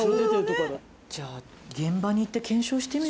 じゃあ現場に行って検証してみる？